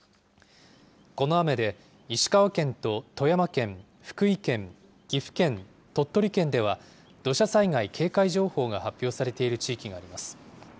この雨で、石川県と富山県、福井県、岐阜県、鳥取県では、土砂災害警戒情報が発表されている地域があります。